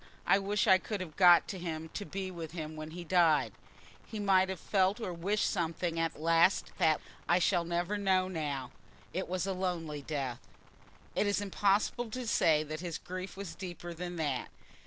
I wish I could have got to him to be with him when he died. He might have felt or wished something at the last that I shall never know now. It was a lonely death." It is impossible to say that his grief was deeper than that.